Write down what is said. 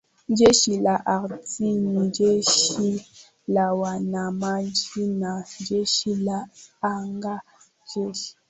Jeshi la Ardhi ni Jeshi la Wanamaji na Jeshi la Anga Jeshi